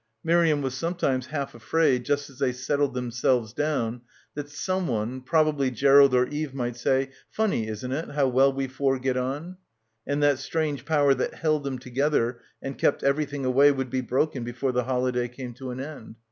Mir iam was sometimes half afraid just as jhey settled themselves down that someone, probably Gerald or Eve might say Tunny, isn't it, how wfcll we four get on,' and that strange power that held them together and kept everything away would be broken before the holiday came to an end.